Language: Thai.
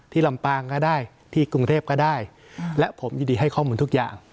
ลำปางก็ได้ที่กรุงเทพก็ได้และผมยินดีให้ข้อมูลทุกอย่าง